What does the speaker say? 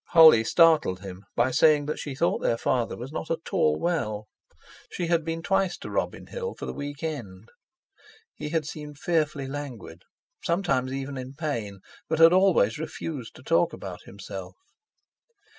Holly startled him by saying that she thought their father not at all well. She had been twice to Robin Hill for the week end. He had seemed fearfully languid, sometimes even in pain, but had always refused to talk about himself.